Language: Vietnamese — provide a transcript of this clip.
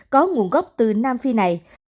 có nguồn gốc từ nam phi này